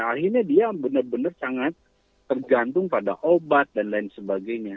akhirnya dia benar benar sangat tergantung pada obat dan lain sebagainya